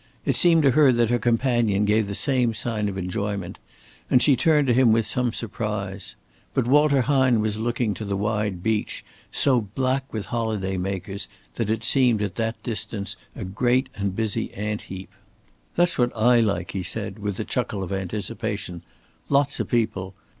It seemed to her that her companion gave the same sign of enjoyment, and she turned to him with some surprise. But Walter Hine was looking to the wide beach, so black with holiday makers that it seemed at that distance a great and busy ant heap. "That's what I like," he said, with a chuckle of anticipation. "Lot's o' people.